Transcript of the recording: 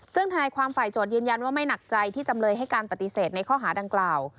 ซึ่งธนายความฝ่ายโจทย์ยืนยันว่าไม่หนักใจที่จำเลยให้การปฏิเสธในข้อหาดังกล่าว